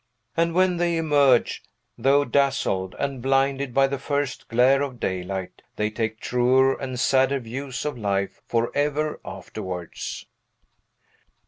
And when they emerge, though dazzled and blinded by the first glare of daylight, they take truer and sadder views of life forever afterwards.